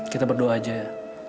kita berdoa aja ya